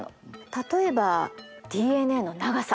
例えばＤＮＡの長さ。